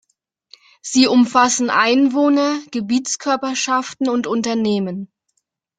Sie umfassen Einwohner, Gebietskörperschaften und Unternehmen.